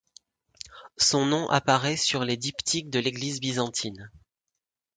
Son nom apparaît sur les diptyques de l'Église byzantine.